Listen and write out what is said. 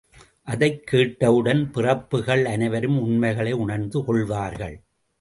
அதைக் கேட்ட உடன் பிறப்புக்கள் அனைவரும் உண்மைகளை உணர்ந்து கொள்வார்கள்.